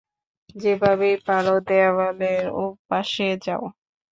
যেভাবেই পারো দেয়ালের ওপাশে যাও।